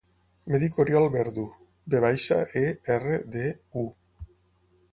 Em dic Oriol Verdu: ve baixa, e, erra, de, u.